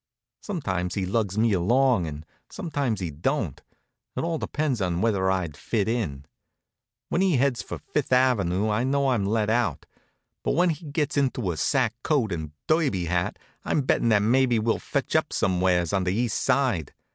Sometimes he lugs me along and sometimes he don't. It all depends on whether I'd fit in. When he heads for Fifth Avenue I know I'm let out. But when he gets into a sack coat and derby hat I'm bettin' that maybe we'll fetch up somewheres on the East Side.